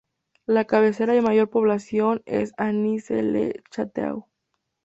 La cabecera y mayor población es Anizy-le-Château.